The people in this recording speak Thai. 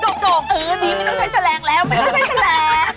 ดีไม่ต้องใช้แฉลงแล้วไม่ต้องใช้แฉลง